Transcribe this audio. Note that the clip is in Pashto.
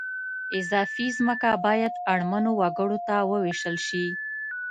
اضافي ځمکه باید اړمنو وګړو ته ووېشل شي